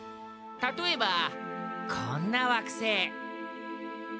例えばこんな惑星。